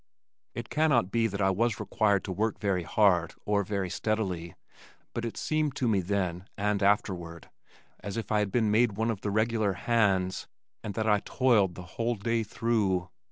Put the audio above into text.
It cannot be that I was required to work very hard or very steadily, but it seemed to me then, and afterward, as if I had been made one of the regular hands and that I toiled the whole day through.